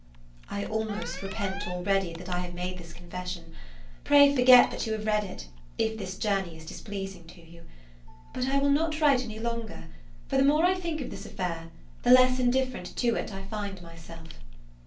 I almost repent already that I have made this confession; pray forget that you have read it, if this journey is displeasing to you. But I will not write any longer; for the more I think of this affair, the less indifferent to it I find myself.